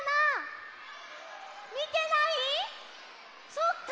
そっか。